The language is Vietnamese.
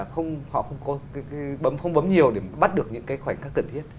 họ không bấm nhiều để bắt được những khoảnh khắc cần thiết